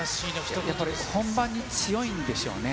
本番に強いんでしょうね。